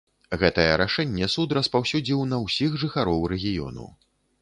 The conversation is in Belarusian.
Гэтае рашэнне суд распаўсюдзіў на ўсіх жыхароў рэгіёну.